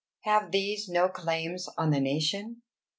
Have these no claims on the nation?